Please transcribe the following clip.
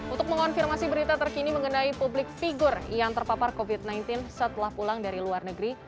untuk mengonfirmasi berita terkini mengenai publik figur yang terpapar covid sembilan belas setelah pulang dari luar negeri